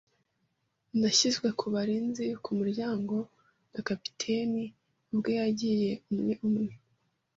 Nashyizwe ku barinzi ku muryango; na capitaine ubwe yagiye umwe umwe,